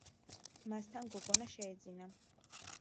მასთან გოგონა შეეძინა.